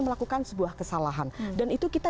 melakukan sebuah kesalahan dan itu kita